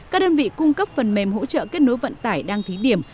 các đơn vị cung cấp phần mềm hỗ trợ kết nối vận tải đang thí điểm